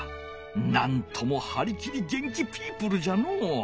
なんともはりきり元気ピープルじゃのう。